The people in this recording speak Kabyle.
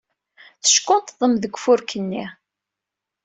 Teckunṭḍem deg ufurk-nni.